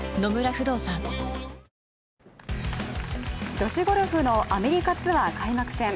女子ゴルフのアメリカツアー開幕戦。